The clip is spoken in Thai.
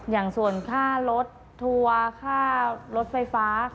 อย่างส่วนค่ารถทัวร์ค่ารถไฟฟ้า